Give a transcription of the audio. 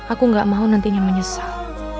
aku gak mau nantinya menyesal